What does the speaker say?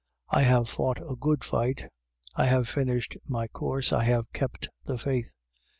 4:7. I have fought a good fight: I have finished my course: I have kept the faith.